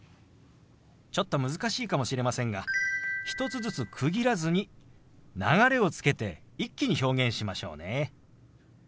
ちょっと難しいかもしれませんが１つずつ区切らずに流れをつけて一気に表現しましょうね。